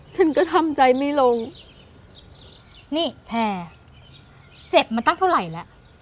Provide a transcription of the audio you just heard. ฉันก็ทำใจไม่ลงนี่แผลเจ็บมาตั้งเท่าไหร่แล้ว